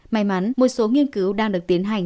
may mắn một số nghiên cứu đang được tiến hành